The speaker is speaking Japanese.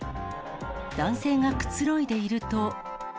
男性がくつろいでいると。